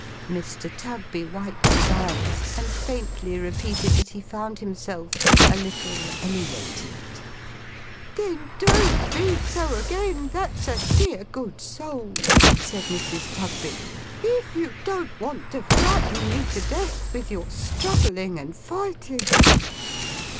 Mr. Tugby wiped his eyes, and faintly repeated that he found himself a little elewated. 'Then don't be so again, that's a dear good soul,' said Mrs. Tugby, 'if you don't want to frighten me to death, with your struggling and fighting!